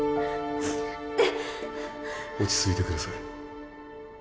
落ち着いて下さい。